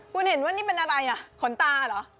คุณเห็นว่านี่เป็นอะไรอ่ะขนตาเหรอ